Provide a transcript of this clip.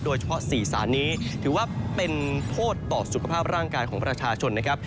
๔สารนี้ถือว่าเป็นโทษต่อสุขภาพร่างกายของประชาชนนะครับ